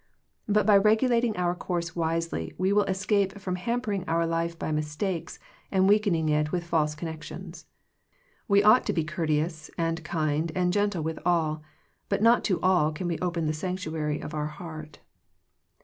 But by regulating our course wisely, we will escape from hampering our life by mistakes, and weakening it with false connections. We ought to be courteous, and kind, and gentle with all, but not to all can we open the sanctuary of our heart.